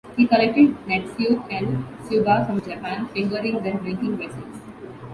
He collected "netsuke" and "tsuba" from Japan, finger rings and drinking vessels.